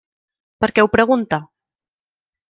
Per què ho pregunta?